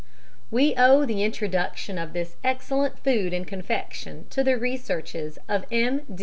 _ We owe the introduction of this excellent food and confection to the researches of M.